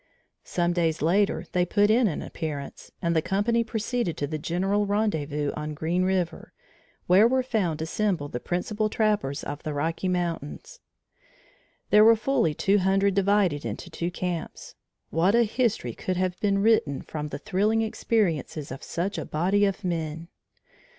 Some days later they put in an appearance, and the company proceeded to the general rendezvous on Green River, where were found assembled the principal trappers of the Rocky Mountains. There were fully two hundred divided into two camps. What a history could have been written from the thrilling experiences of such a body of men!